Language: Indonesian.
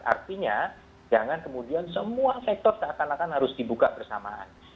artinya jangan kemudian semua sektor seakan akan harus dibuka bersamaan